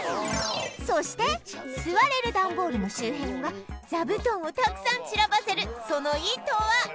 そして座れるダンボールの周辺には座布団をたくさん散らばせるその意図は？